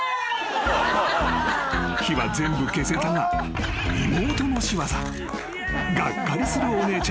［火は全部消せたが妹の仕業］